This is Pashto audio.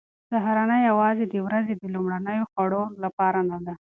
سهارنۍ یوازې د ورځې د لومړنیو خوړو لپاره نه ده.